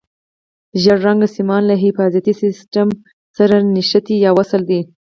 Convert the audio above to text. ژیړ رنګ سیمان له حفاظتي سیم سره نښتي یا وصل دي.